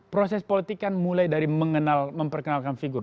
proses politik kan mulai dari memperkenalkan figur